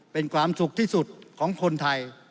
เป็นความสุขที่สุดของคนไทย